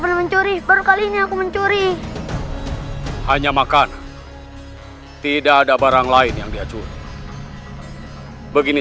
pernah mencuri baru kali ini aku mencuri hanya makan tidak ada barang lain yang dia curi begini